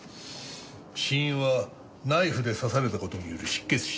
死因はナイフで刺された事による失血死。